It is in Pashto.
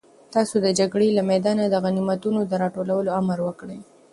تاسو د جګړې له میدانه د غنیمتونو د راټولولو امر وکړئ.